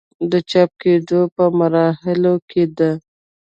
د چاپ کيدو پۀ مراحلو کښې ده